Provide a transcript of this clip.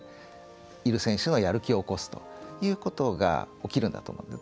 いる選手のやる気を起こすということが起きるんだと思うんです。